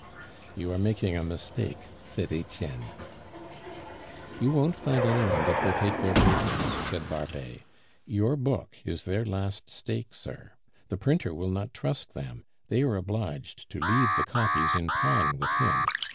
"You are making a mistake," said Etienne. "You won't find any one that will take their paper," said Barbet. "Your book is their last stake, sir. The printer will not trust them; they are obliged to leave the copies in pawn with him.